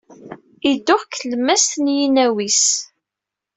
Idux deg tlemmast n yinaw-is.